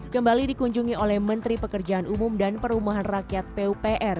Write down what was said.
kembali dikunjungi oleh menteri pekerjaan umum dan perumahan rakyat pupr